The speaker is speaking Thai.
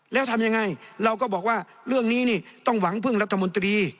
แล้วทำยังไงเราก็บอกว่าเรื่องนี้นี่ต้องหวังพึ่งรัฐมนตรี